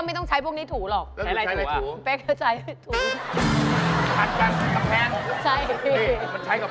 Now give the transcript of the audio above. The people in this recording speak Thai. ไม่ใช่พะไหลนะพี่